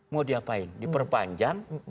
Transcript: mau diapain diperpanjang